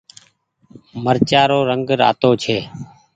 مرچآ رو رنگ رآتو ڇي۔